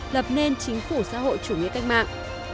lập nên chính phủ xã hội chủ nghĩa cách mạng